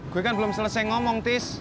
gue kan belum selesai ngomong tis